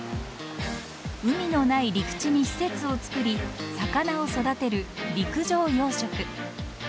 海のない陸地に施設を造り魚を育てる陸上養殖。